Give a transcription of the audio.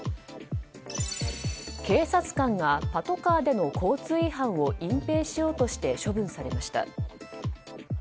警察官がパトカーでの交通違反を隠ぺいしようとして処分されました。